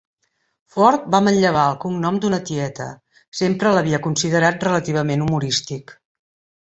Ford va manllevar el cognom d'una tieta -sempre l'havia considerat relativament humorístic.